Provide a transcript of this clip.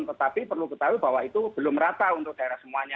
tetapi perlu ketahui bahwa itu belum rata untuk daerah semuanya